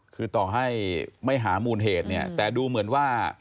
คือต่อให้ไม่หามูลเหตุเนี่ยแต่ดูเหมือนว่า